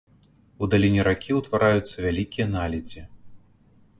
У даліне ракі ўтвараюцца вялікія наледзі.